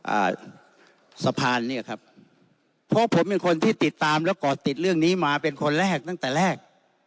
อ่าสะพานเนี้ยครับเพราะผมเป็นคนที่ติดตามและก่อติดเรื่องนี้มาเป็นคนแรกตั้งแต่แรก